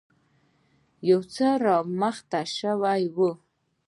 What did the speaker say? يو څه رامخته شوی و.